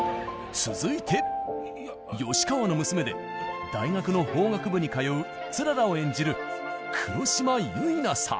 続いて吉川の娘で大学の法学部に通う氷柱を演じる黒島結菜さん